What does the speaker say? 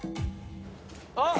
「あっ！」